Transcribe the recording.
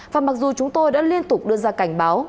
và mặc dù chúng tôi đã liên tục đưa ra cảnh báo